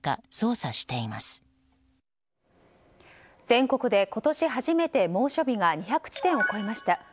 全国で今年初めて猛暑日が２００地点を超えました。